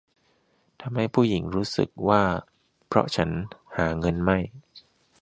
ทำให้ผู้หญิงรู้สึกว่า เพราะฉันหาเงินไม่